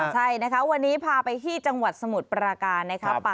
ใช่นะคะวันนี้พาไปที่จังหวัดสมุทรปราการนะครับ